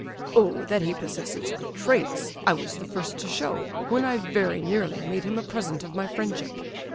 "Oh, that he possesses good traits, I was the first to show, when I very nearly made him a present of my friendship.